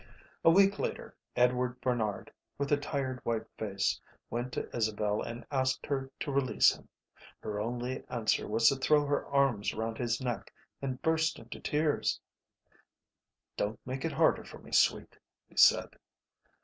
A week later, Edward Barnard, with a tired, white face, went to Isabel and asked her to release him. Her only answer was to throw her arms round his neck and burst into tears. "Don't make it harder for me, sweet," he said.